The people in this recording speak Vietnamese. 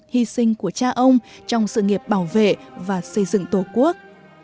hy sinh của cha ông trong sự nghiệp bảo vệ và xây dựng tổ quốc